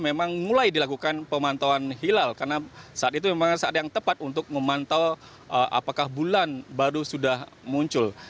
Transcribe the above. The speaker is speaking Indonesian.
memang mulai dilakukan pemantauan hilal karena saat itu memang saat yang tepat untuk memantau apakah bulan baru sudah muncul